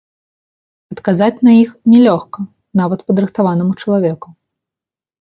Адказаць на іх не лёгка нават падрыхтаванаму чалавеку.